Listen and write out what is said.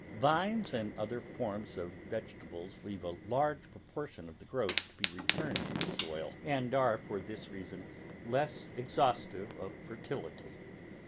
Vines and other forms of vege tables leave a large proportion of the growth to be returned to the soil, and are, for this reason, less exhaustive of fertility.